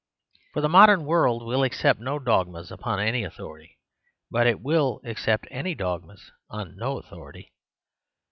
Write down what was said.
For the modern world will accept no dogmas upon any authority; but it will accept any dogmas upon no authority.